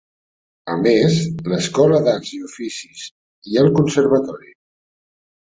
A més, l'escola d'Arts i Oficis i el Conservatori.